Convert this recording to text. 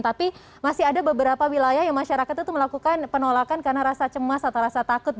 tapi masih ada beberapa wilayah yang masyarakat itu melakukan penolakan karena rasa cemas atau rasa takut